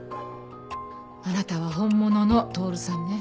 あなたは本物の透さんね。